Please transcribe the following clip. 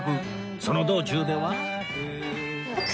その道中では